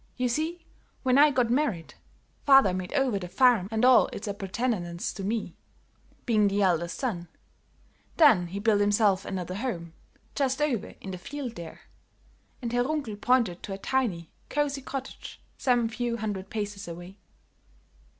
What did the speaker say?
You see, when I got married, father made over the farm and all its appurtenances to me, being the eldest son; then he built himself another home, just over in the field, there," and Herr Runkel pointed to a tiny, cosy cottage some few hundred paces away.